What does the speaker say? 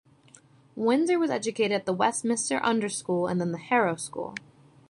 Windsor was educated at Westminster Under School and then Harrow School.